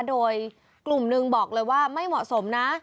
โดยกลุ่มหนึ่งบอกเลยว่าไม่เหมาะสมนะ